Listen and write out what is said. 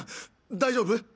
大丈夫？